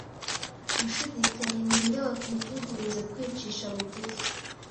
Gushidikanya ninde wakwivuguruzaKwicisha bugufi